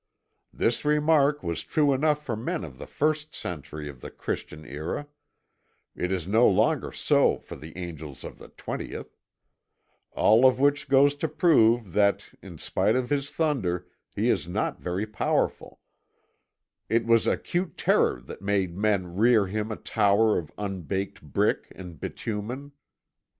This remark was true enough for men of the first century of the Christian era; it is no longer so for the angels of the twentieth; all of which goes to prove that, in spite of his thunder, he is not very powerful; it was acute terror that made men rear him a tower of unbaked brick and bitumen.